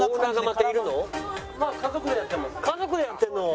家族でやってます。